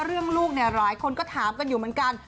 เรื่องลูกหลายคนก็ถามกันอยู่เหมือนกัน